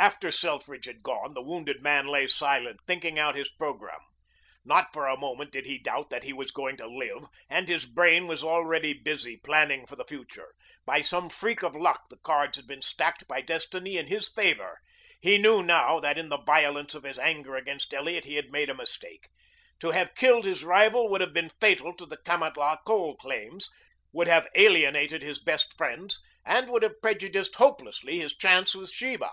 After Selfridge had gone, the wounded man lay silent thinking out his programme. Not for a moment did he doubt that he was going to live, and his brain was already busy planning for the future. By some freak of luck the cards had been stacked by destiny in his favor. He knew now that in the violence of his anger against Elliot he had made a mistake. To have killed his rival would have been fatal to the Kamatlah coal claims, would have alienated his best friends, and would have prejudiced hopelessly his chances with Sheba.